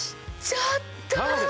ちょっと！